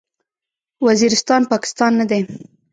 وزیرستان، پاکستان نه دی.